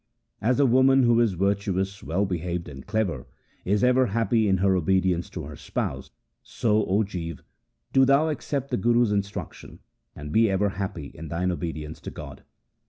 As a woman who is virtuous, well behaved, and clever, is ever happy in her obedience to her spouse, so, O Jiva, do thou accept the Guru's instruction and be ever happy in thine obedience to God.